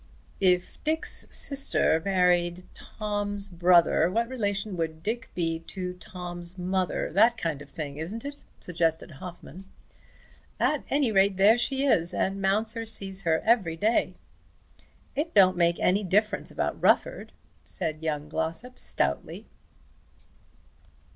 "If Dick's sister married Tom's brother what relation would Dick be to Tom's mother? That's the kind of thing, isn't it?" suggested Hoffmann. "At any rate there she is, and Mounser sees her every day." "It don't make any difference about Rufford," said young Glossop stoutly.